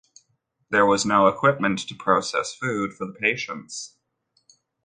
There was no equipment to process food for the patients.